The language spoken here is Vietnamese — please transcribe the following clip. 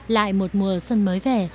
lại một mùa xuân mới về